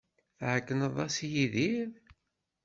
Tɛeyyneḍ-as i Yidir?